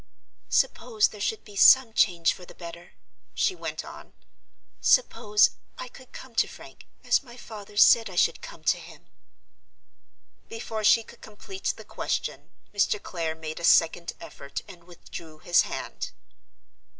"Suppose there should be some change for the better?" she went on. "Suppose I could come to Frank, as my fat her said I should come to him—?" Before she could complete the question, Mr. Clare made a second effort and withdrew his hand.